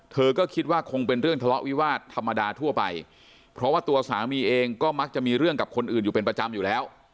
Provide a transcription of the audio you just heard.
เธอก็คิดว่าคงเป็นเรื่องทะเลาะวิวาสธรรมดาทั่วไปเพราะว่าตัวสามีเองก็มักจะมีเรื่องกับคนอื่นอยู่เป็นประจำอยู่แล้ว